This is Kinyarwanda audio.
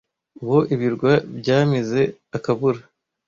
uwo ibirwa byamize akabura